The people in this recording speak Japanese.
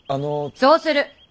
そうする！